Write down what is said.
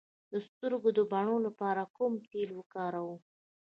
د سترګو د بڼو لپاره کوم تېل وکاروم؟